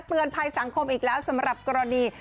ภัยสังคมอีกแล้วสำหรับกรณี